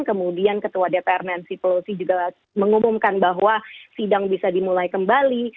kemudian ketua dpr nancy pelosi juga mengumumkan bahwa sidang bisa dimulai kembali